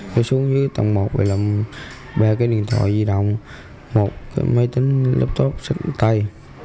cháu xuống dưới tầng một ba cái điện thoại di động một cái máy tính laptop sạch tay